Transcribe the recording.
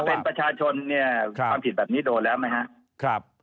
เป็นประชาชนเนี่ยความผิดแบบนี้โดนแล้วไหมครับ